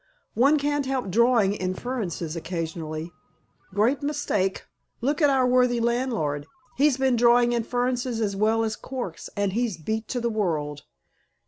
One can't help drawing inferences occasionally." "Great mistake. Look at our worthy landlord. He's been drawing inferences as well as corks, and he's beat to the world."